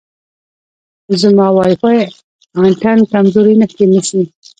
زما وای فای انتن کمزورې نښې نیسي.